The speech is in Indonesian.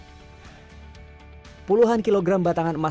puluhan kilogram batangan emas murni bisa dikumpulkan di dalam sampah